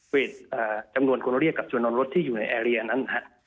จำนวนคนเรียกกับชวนนอนรถที่อยู่ในแอร์เรียนั้น